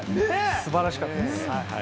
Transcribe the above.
素晴らしかったです。